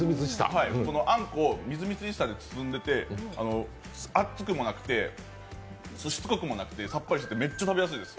あんこをみずみずしさで包んでいて、あっつくもなくて、しつこくもなくて、さっぱりしててめっちゃ食べやすいです。